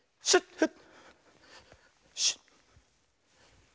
フッ！